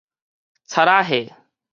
賊仔貨